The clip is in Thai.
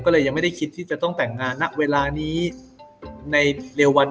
ก็เลยยังไม่ได้คิดที่จะต้องแต่งงานณเวลานี้ในเร็ววัน